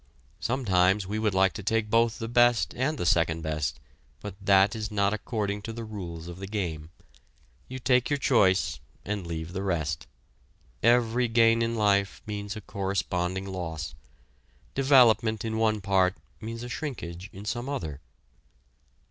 Sometimes we would like to take both the best and the second best, but that is not according to the rules of the game. You take your choice and leave the rest. Every gain in life means a corresponding loss; development in one part means a shrinkage in some other.